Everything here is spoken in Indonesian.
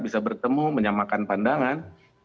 bisa bertemu menyamakan pandangan